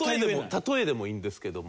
例えでもいいんですけども。